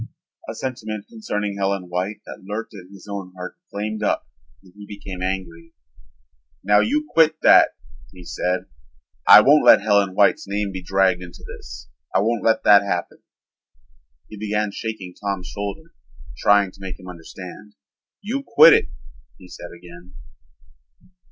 A sentiment concerning Helen White that lurked in his own heart flamed up and he became angry. "Now you quit that," he said. "I won't let Helen White's name be dragged into this. I won't let that happen." He began shaking Tom's shoulder, trying to make him understand. "You quit it," he said again.